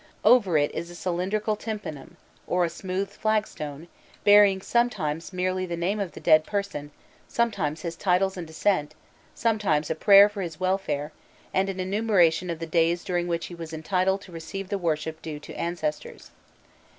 Over it is a cylindrical tympanum, or a smooth flagstone, bearing sometimes merely the name of the dead person, sometimes his titles and descent, sometimes a prayer for his welfare, and an enumeration of the days during which he was entitled to receive the worship due to ancestors.